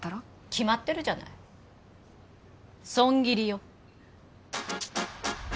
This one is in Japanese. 決まってるじゃない損切りよ